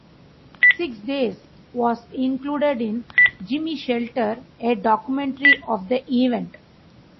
"Six Days..." was included in "Gimme Shelter", a documentary of the event.